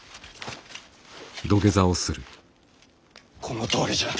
このとおりじゃ。